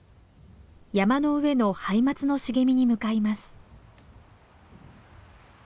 山の上のハイマツの茂みに向かいます。